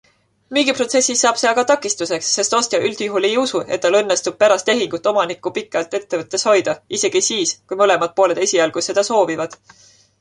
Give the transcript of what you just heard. Müügiprotsessis saab see aga takistuseks, sest ostja üldjuhul ei usu, et tal õnnestub pärast tehingut omanikku pikalt ettevõttes hoida, isegi siis kui mõlemad pooled esialgu seda soovivad.